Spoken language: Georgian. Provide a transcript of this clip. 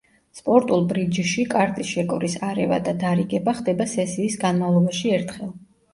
სპორტულ ბრიჯში კარტის შეკვრის არევა და დარიგება ხდება სესიის განმავლობაში ერთხელ.